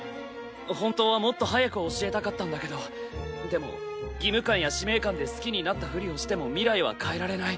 本当はもっと早く教えたかったんだけどでも義務感や使命感で好きになったふりをしても未来は変えられない。